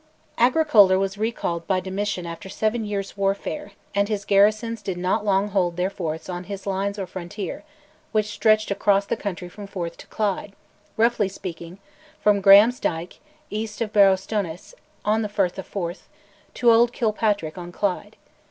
Agricola was recalled by Domitian after seven years' warfare, and his garrisons did not long hold their forts on his lines or frontier, which stretched across the country from Forth to Clyde; roughly speaking, from Graham's Dyke, east of Borrowstounnis on the Firth of Forth, to Old Kilpatrick on Clyde.